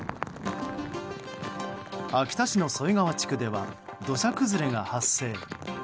秋田市の添川地区では土砂崩れが発生。